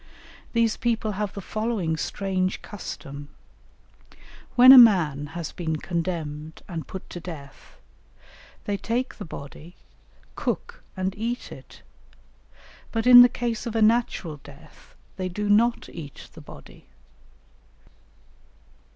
These people have the following strange custom: when a man has been condemned and put to death, they take the body, cook, and eat it; but in the case of a natural death they do not eat the body.